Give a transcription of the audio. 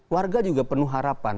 warga juga penuh harapan